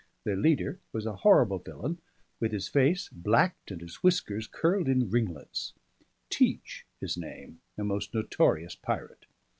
Their leader was a horrible villain, with his face blacked and his whiskers curled in ringlets; Teach his name; a most notorious pirate.